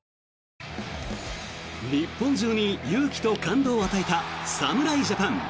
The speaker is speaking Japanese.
日本中の勇気と感動を与えた侍ジャパン。